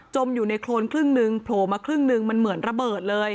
มอยู่ในโครนครึ่งหนึ่งโผล่มาครึ่งหนึ่งมันเหมือนระเบิดเลย